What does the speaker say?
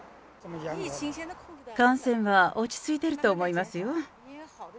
感染は落ち着いていると思いますよ。